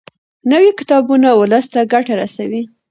نوي کتابونه ولس ته ګټه رسوي.